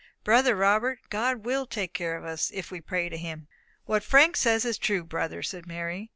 Brother Robert, God will take care of us, if we pray to him." "What Frank says is true, brother," said Mary.